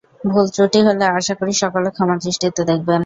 ভূল ত্রুটি হলে আশা করি সকলে ক্ষমার দৃষ্টিতে দেখবেন।